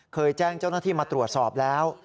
เคยแจ้งเจ้าหน้าที่มาตรวจสอบแล้ว